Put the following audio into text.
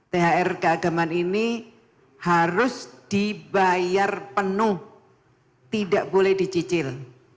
thr keagamaan ini harus dibayar penuh tidak boleh dicicil